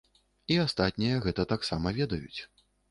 І астатнія гэта таксама ведаюць.